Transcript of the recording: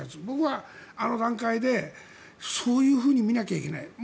僕はあの段階でそういうふうに見なきゃいけない